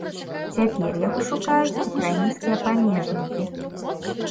Цяпер яго шукаюць украінскія памежнікі.